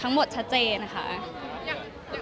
มันเป็นปัญหาจัดการอะไรครับ